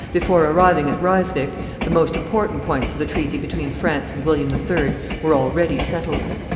Before arriving at Ryswick, the most important points of the treaty between France and William III. were already settled.